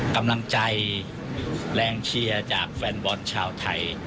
กำลังใจแรงเชียร์จากแฟนบอลชาวไทย